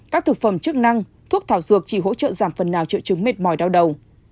các thực phẩm chức năng thuốc thảo dược chỉ hỗ trợ giảm phần nào triệu chứng mệt mỏi đau đầu